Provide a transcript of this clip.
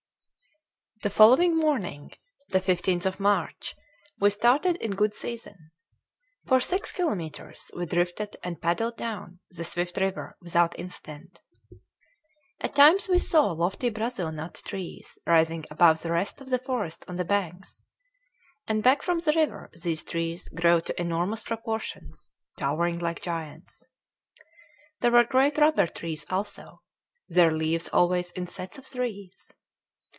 The following morning, the 15th of March, we started in good season. For six kilometres we drifted and paddled down the swift river without incident. At times we saw lofty Brazil nut trees rising above the rest of the forest on the banks; and back from the river these trees grow to enormous proportions, towering like giants. There were great rubber trees also, their leaves always in sets of threes.